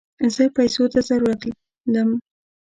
زه پيسوته ضرورت لم